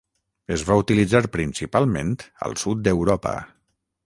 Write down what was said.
Es va utilitzar principalment al sud d'Europa.